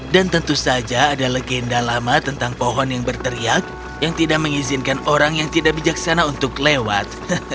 dan tentu saja ada legenda lama tentang pohon yang berteriak yang tidak mengizinkan orang yang tidak bijaksana untuk lewat